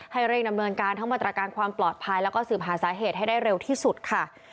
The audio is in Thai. เร่งดำเนินการทั้งมาตรการความปลอดภัยแล้วก็สืบหาสาเหตุให้ได้เร็วที่สุดค่ะ